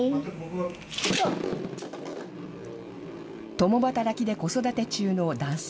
共働きで子育て中の男性。